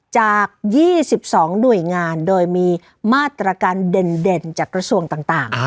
จาก๒๒หน่วยงานโดยมีมาตรการเด่นจากกระทรวงต่าง